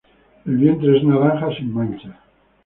El vientre es naranja sin manchas.